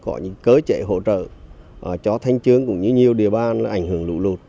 có những cơ chế hỗ trợ cho thanh trường cũng như nhiều địa bàn ảnh hưởng lụt lụt